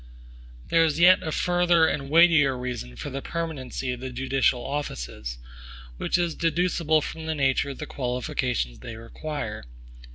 There is yet a further and a weightier reason for the permanency of the judicial offices, which is deducible from the nature of the qualifications they require.